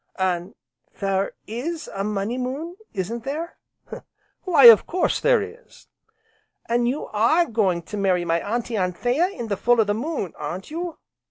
"An' there is a Money Moon, isn't there?" "Why of course there is." "An' you are going to marry my Auntie Anthea in the full o' the moon, aren't you?"